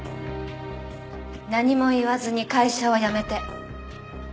何も言わずに会社を辞めて。